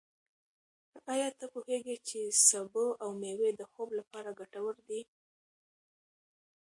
ایا ته پوهېږې چې سبو او مېوې د خوب لپاره ګټور دي؟